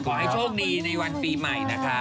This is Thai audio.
ขอให้โชคดีในวันปีใหม่นะคะ